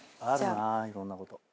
あるないろんなこと。